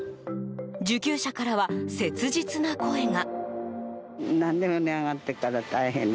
受給者からは、切実な声が。